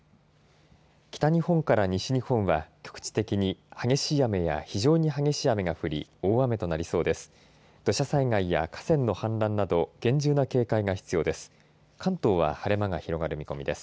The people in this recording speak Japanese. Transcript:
北日本から西日本は局地的に激しい雨や非常に激しい雨が降り大雨となりそうです。